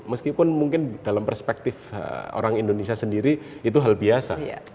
meskipun mungkin dalam perspektif orang indonesia sendiri itu hal biasa